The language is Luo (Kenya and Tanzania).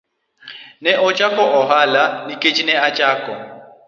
Ne ochako ohala nikech nachako.